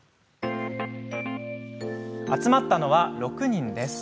集まったのは６人です。